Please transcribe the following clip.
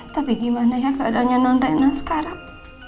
tapi gimana ya keadaannya nonrena sekarang